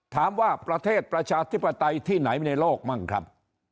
ประเทศประชาธิปไตยที่ไหนในโลกมั่งครับ